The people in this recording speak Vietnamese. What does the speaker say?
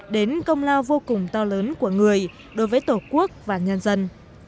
đến công lao vô cùng to lớn của người đối với tổ quốc và nhân dân